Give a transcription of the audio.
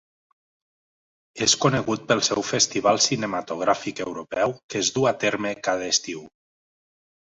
És conegut pel seu festival cinematogràfic europeu que es du a terme cada estiu.